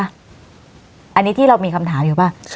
อันนี้ที่เรามีคำถามอยู่ป่ะ